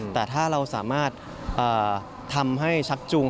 แต่ถ้าเราสามารถชักจูง